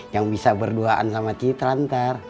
yang bisa berduaan sama citrantar